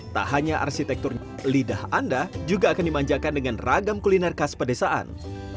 tak hanya arsitekturnya lidah anda juga akan dimanjakan dengan ragam kuliner khas pedesaan